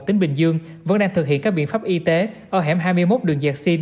tính bình dương vẫn đang thực hiện các biện pháp y tế ở hẻm hai mươi một đường giạc sinh